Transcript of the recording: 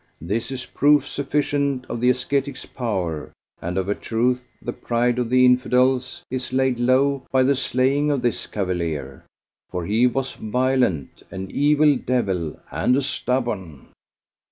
This is proof sufficient of the ascetic's power; and of a truth the pride of the Infidels is laid low by the slaying of this cavalier, for he was violent, an evil devil and a stubborn."